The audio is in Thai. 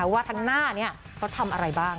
ว่าทั้งหน้านี้เขาทำอะไรบ้าง